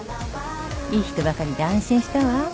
いい人ばかりで安心したわ。